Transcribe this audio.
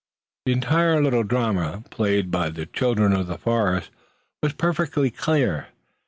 The entire little drama, played by the children of the forest, was perfectly clear.